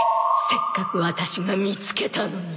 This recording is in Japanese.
せっかくワタシが見つけたのに